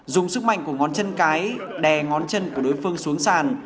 dùng sức mạnh của ngón chân cái đè ngón chân của đối phương xuống sàn